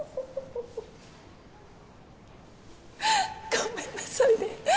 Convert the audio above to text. ごめんなさいね。